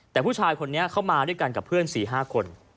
ซึ่งผู้ชายเข้ามาด้วยกันกับพื้น๔๕คน